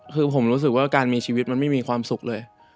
คือผมรู้สึกว่าการมีชีวิตมันไม่มีความสุขเลย